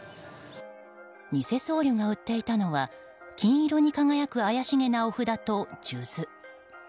ニセ僧侶が売っていたのは金色に輝く怪しげなお札と数珠。